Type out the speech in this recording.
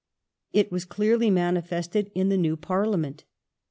It was clearly manifested in the new Parliament.